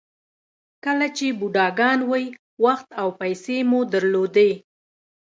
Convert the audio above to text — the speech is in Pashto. کله چې بوډاګان وئ وخت او پیسې مو درلودې.